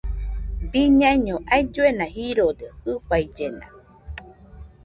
Biñaino ailluena jirode jɨfaillena